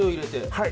はい。